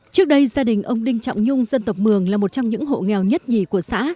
trước đây gia đình ông đinh trọng nhung dân tộc mường là một trong những hộ nghèo nhất nhì của xã